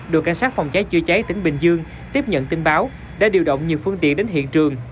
đội cảnh sát phòng cháy chữa cháy tỉnh bình dương tiếp nhận tin báo đã điều động nhiều phương tiện đến hiện trường